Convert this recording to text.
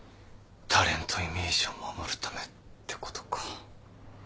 タレントイメージを守るためってことか。